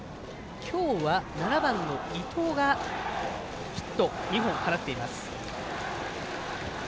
今日は７番の伊藤がヒット２本放っています。